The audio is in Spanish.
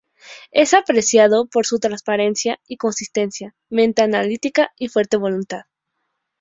Era apreciado por su transparencia y consistencia, mente analítica y fuerte voluntad.